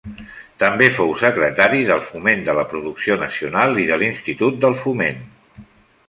També fou secretari del Foment de la Producció Nacional i de l'Institut del Foment.